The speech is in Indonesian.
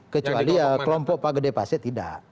kecuali ya kelompok pak gede paset tidak